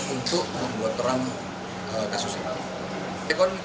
untuk membuat terang kasus ini